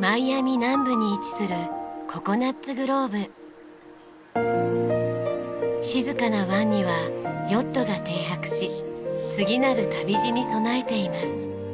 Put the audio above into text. マイアミ南部に位置する静かな湾にはヨットが停泊し次なる旅路に備えています。